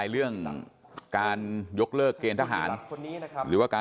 เลือกพัก